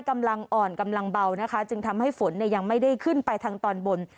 กำลังอ่อนกำลังเบานะคะจึงทำให้ฝนเนี่ยยังไม่ได้ขึ้นไปทางตอนบน